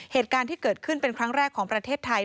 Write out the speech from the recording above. เหตุการณ์ที่เกิดขึ้นเป็นครั้งแรกของประเทศไทย